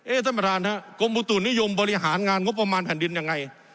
ท่านประธานฮะกรมอุตุนิยมบริหารงานงบประมาณแผ่นดินยังไง